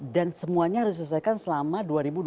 dan semuanya harus diselesaikan selama dua ribu dua puluh empat